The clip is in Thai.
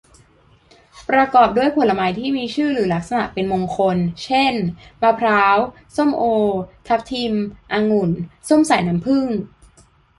ประกอบด้วยผลไม้ที่มีชื่อหรือลักษณะเป็นมงคล เช่น มะพร้าว ส้มโอ ทับทิม องุ่น ส้มสายน้ำผึ้ง